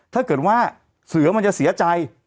ถ้าเกิดว่าเสือมันจะเสียใจ